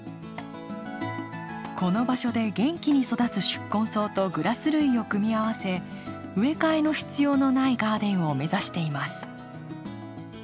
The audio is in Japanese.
この場所で元気に育つ宿根草とグラス類を組み合わせ植え替えの必要のないガーデンを目指しています。